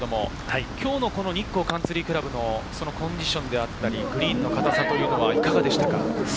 今日のこの日光カンツリー倶楽部のコンディション、グリーンの硬さというのはいかがでしたか？